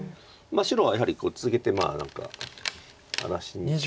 白はやはり続けて何か荒らしに。